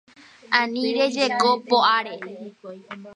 Ani rejeko po'áre